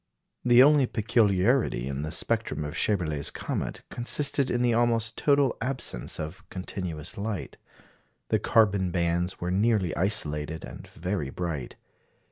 The only peculiarity in the spectrum of Schaeberle's comet consisted in the almost total absence of continuous light. The carbon bands were nearly isolated and very bright.